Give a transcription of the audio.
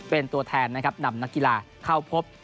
เป็นตัวแทนนะครับนำนักกีฬาเข้าพบ